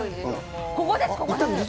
ここです、ここ。